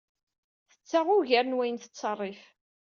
Tettaɣ ugar n wayen tettṣerrif.